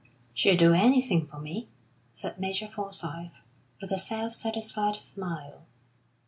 "She'll do anything for me," said Major Forsyth, with a self satisfied smile.